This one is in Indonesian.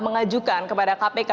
mengajukan kepada kpk